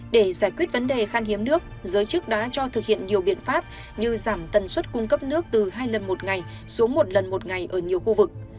để giải quyết vấn đề khan hiếm nước giới chức đã cho thực hiện nhiều biện pháp như giảm tần suất cung cấp nước từ hai lần một ngày xuống một lần một ngày ở nhiều khu vực